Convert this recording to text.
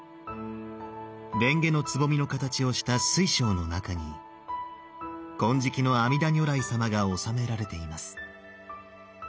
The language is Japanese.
蓮華のつぼみの形をした水晶の中に金色の阿弥陀如来様が納められています。